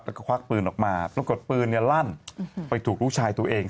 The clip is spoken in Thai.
แล้วก็ควักปืนออกมาปรากฏปืนลั่นไปถูกลูกชายตัวเอง